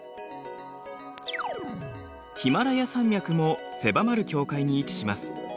ヒマラヤ山脈も狭まる境界に位置します。